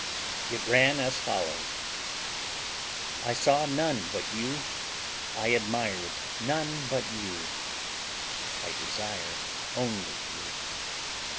It ran as follows: I saw none but you, I admired none but you; I desire only you.